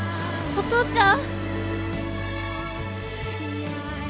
お父ちゃん！